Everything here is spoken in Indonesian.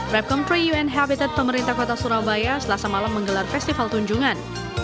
rep comprey un habitat pemerintah kota surabaya selasa malam menggelar festival tunjungan